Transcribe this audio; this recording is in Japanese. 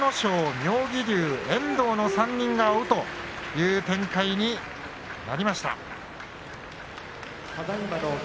妙義龍、遠藤の３人が追うという展開になりました。